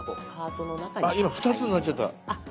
あっ今２つになっちゃった！